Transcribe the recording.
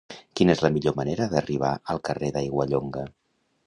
Quina és la millor manera d'arribar al carrer d'Aiguallonga?